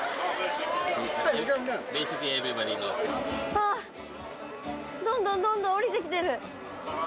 あぁどんどんどんどん降りてきてる。